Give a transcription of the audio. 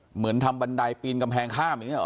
เหมือนทำบันไดปีนกำแพงข้ามอย่างนี้หรอ